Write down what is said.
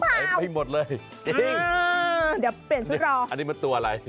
เปลี่ยนชุดรออันนี้มันตัวอะไร